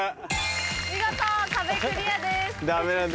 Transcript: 見事壁クリアです。